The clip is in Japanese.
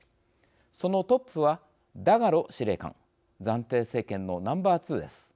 そのトップは、ダガロ司令官暫定政権のナンバー２です。